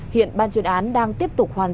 hiện ban chuyên án đang tiếp tục hoàn dụng